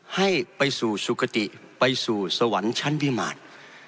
ให้ไปสู่สุขติไปสู่สวรรค์ชั้นพิมาร